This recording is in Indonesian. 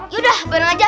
ya udah bareng aja